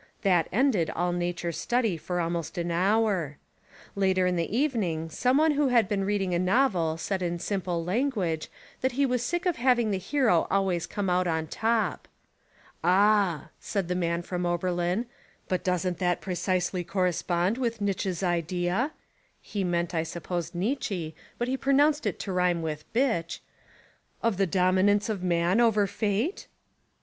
That ended all nature study for al most an hour. Later in the evening, some one who had been reading a novel said in simple language that he was sick of having the hero always come out on top. "Ah," said the man from Oberlin, "but doesn't that precisely cor respond with Nitch's idea (he meant, I sup pose, Nietzsche, but he pronounced it to rhyme with 'bitch') of the dominance of man over fate?"